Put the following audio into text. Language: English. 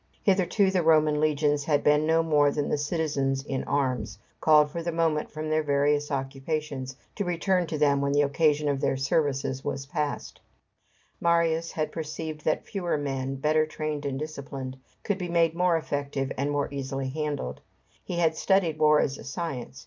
Hitherto the Roman legions had been no more than the citizens in arms, called for the moment from their various occupations, to return to them when the occasion for their services was past. Marius had perceived that fewer men, better trained and disciplined, could be made more effective and be more easily handled. He had studied war as a science.